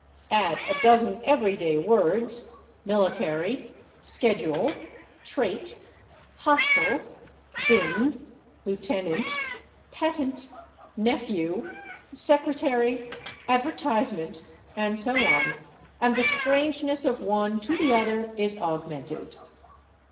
Add a dozen everyday words /military/, /schedule/, /trait/, /hostile/, /been/, /lieutenant/, /patent/, /nephew/, /secretary/, /advertisement/, and so on and the strangeness of one to the other is augmented.